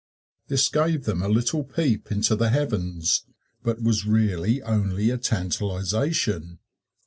This gave them a little peep into the heavens, but was really only a tantalization.